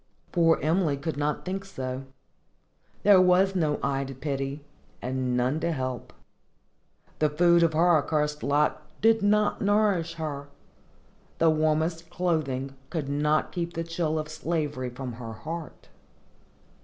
Poor Emily could not think so. There was no eye to pity, and none to help. The food of her accursed lot did not nourish her; the warmest clothing could not keep the chill of slavery from her heart.